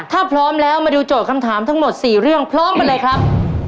ถ้าพร้อมแล้วมาดูโจทย์คำถามทั้งหมด๔เรื่องพร้อมกันเลยครับ